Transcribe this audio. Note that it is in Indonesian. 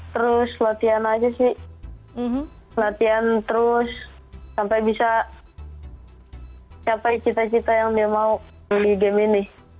terus latihan aja sih latihan terus sampai bisa capai cita cita yang dia mau di game ini